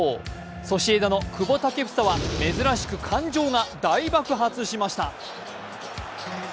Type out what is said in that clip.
ソシエダの久保建英は珍しく感情が大爆発しました。